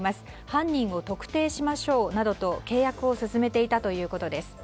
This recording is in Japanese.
犯人を特定しましょうなどと契約を進めていたということです。